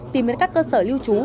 tìm đến các cơ sở lưu trú